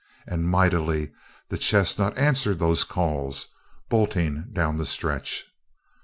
And mightily the chestnut answered those calls, bolting down the stretch.